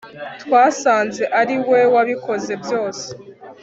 twasanze ari we wabikoze byose